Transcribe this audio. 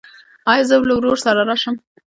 ایا زه له ورور سره راشم؟